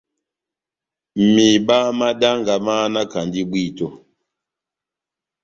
Mihiba má danga máhanakandi bwíto.